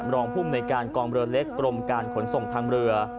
รองภูมิในการกองเรือเล็กกรมการขนส่งทางเรือ